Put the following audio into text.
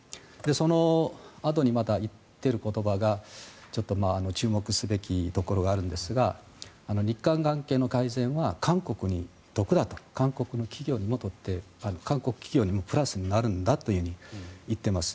そのあとにまた言っている言葉がちょっと注目すべきところがあるんですが日韓関係の改善は韓国に得だと韓国の企業にもプラスになるんだと言っています。